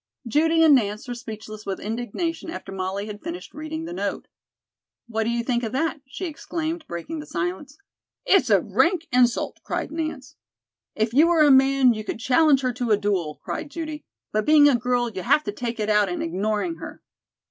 Judy and Nance were speechless with indignation after Molly had finished reading the note. "What do you think of that?" she exclaimed, breaking the silence. "It's a rank insult," cried Nance. "If you were a man, you could challenge her to a duel," cried Judy; "but being a girl, you'll have to take it out in ignoring her."